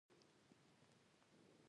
خټکی خندا کوي، ژړا نه.